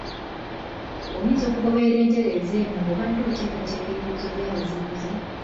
Oyinza okugoberera entereeza eno ng’obadde oteekateeka ebibuuzo by’abazibuzi